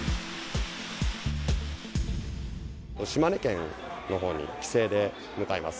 島根県のほうに帰省で向かいます。